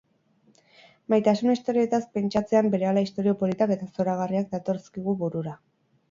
Maitasun istorioteaz pentsatzean berehala istorio politak eta zoragarriak datozkigu burura.